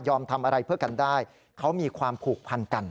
ทำอะไรเพื่อกันได้เขามีความผูกพันกัน